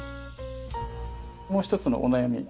もう一つのお悩み。